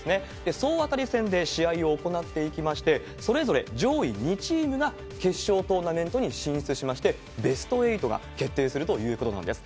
総当たり戦で試合を行っていきまして、それぞれ上位２チームが決勝トーナメントに進出しまして、ベスト８が決定するということなんです。